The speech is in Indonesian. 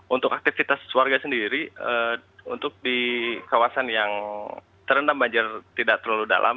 untuk aktivitas warga sendiri untuk di kawasan yang terendam banjir tidak terlalu dalam